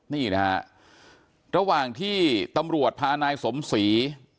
นี่นะฮะระหว่างที่ตำรวจพานายสมศรี